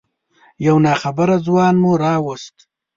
یو ناخبره ځوان مو راوست.